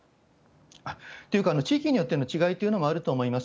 っていうか、地域によっての違いというのもあると思います。